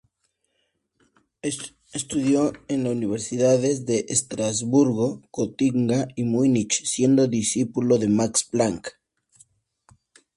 Estudió en las universidades de Estrasburgo, Gotinga y Múnich, siendo discípulo de Max Planck.